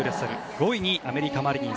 ５位にアメリカ、マリニン。